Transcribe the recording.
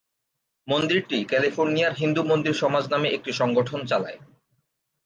মন্দিরটি ক্যালিফোর্নিয়ার হিন্দু মন্দির সমাজ নামে একটি সংগঠন চালায়।